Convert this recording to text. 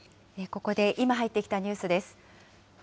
ここで今入ってきたニュースです。